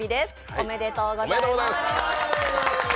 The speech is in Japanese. おめでとうございます。